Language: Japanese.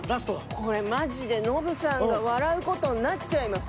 これマジでノブさんが笑う事になっちゃいます。